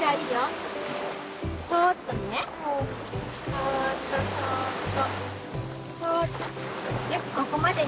そっとそっと。